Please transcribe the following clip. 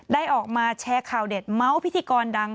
ได้ออกมาแชร์ข่าวเด็ดเมาส์พิธีกรดัง